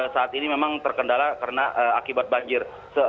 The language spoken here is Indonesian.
saat ini memang terkendala karena akibat banjir